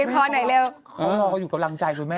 ใครออกเค้ายุ่งกำลังใจก่อนแม่